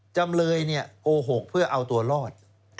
จำเลยโกหกเพื่อเอาตัวรอด